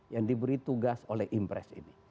yang diberi tugas oleh impres ini